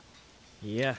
いや。